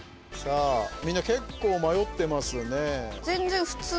みんな結構迷ってますね。